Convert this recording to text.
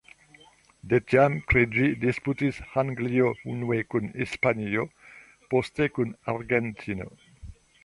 De tiam pri ĝi disputis Anglio unue kun Hispanio, poste kun Argentino.